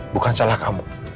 bukan salah kamu